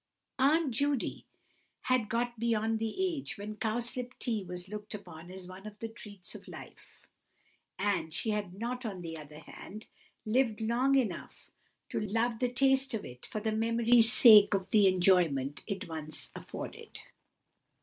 Aunt Judy had got beyond the age when cowslip tea was looked upon as one of the treats of life; and she had not, on the other hand, lived long enough to love the taste of it for the memory's sake of the enjoyment it once afforded.